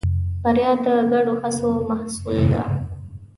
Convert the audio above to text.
بریا د ګډو هڅو محصول ده.